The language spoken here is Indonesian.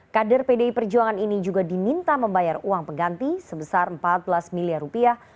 kader pdi perjuangan ini juga diminta membayar uang pengganti sebesar empat belas miliar rupiah